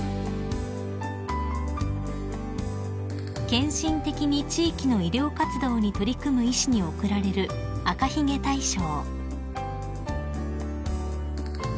［献身的に地域の医療活動に取り組む医師に贈られる赤ひげ大賞］